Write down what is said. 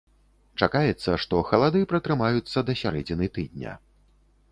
Чакаецца, што халады пратрымаюцца да сярэдзіны тыдня.